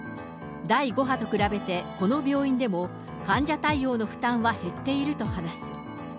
第５波と比べて、この病院でも、患者対応の負担は減っていると話す。